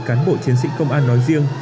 cán bộ chiến sĩ công an nói riêng